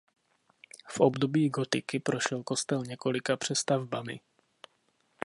V období gotiky prošel kostel několika přestavbami.